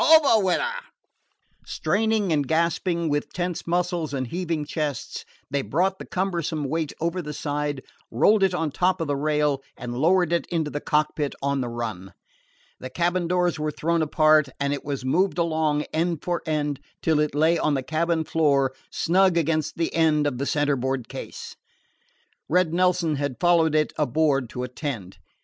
Over with her!" Straining and gasping, with tense muscles and heaving chests, they brought the cumbersome weight over the side, rolled it on top of the rail, and lowered it into the cockpit on the run. The cabin doors were thrown apart, and it was moved along, end for end, till it lay on the cabin floor, snug against the end of the centerboard case. Red Nelson had followed it aboard to superintend.